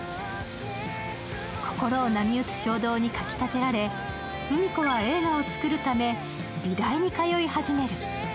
心を波打つ衝動にかきたてられ、うみ子は映画をつくるため美大に通い始める。